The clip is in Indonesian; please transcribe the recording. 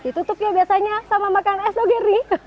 ditutup ya biasanya sama makanan es dogeri